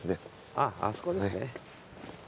あっあそこですね。